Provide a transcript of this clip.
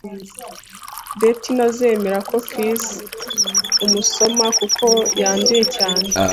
Beth ntazemera ko Chris amusoma kuko yanduye cyane